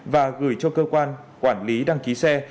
và gửi cho cơ quan quản lý đăng ký xe